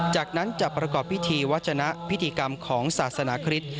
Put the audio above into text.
จากนั้นจะประกอบพิธีวัชนะพิธีกรรมของศาสนาคริสต์